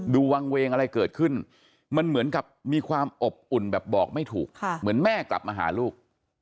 วางเวงอะไรเกิดขึ้นมันเหมือนกับมีความอบอุ่นแบบบอกไม่ถูกเหมือนแม่กลับมาหาลูก